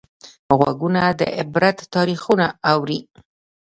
غوږونه د عبرت تاریخونه اوري